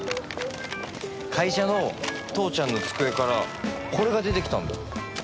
会社の父ちゃんの机からこれが出てきたんだ。